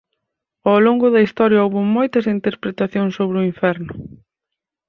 Ao longo da historia houbo moitas interpretacións sobre o inferno.